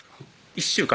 １週間？